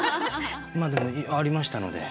でもありましたので。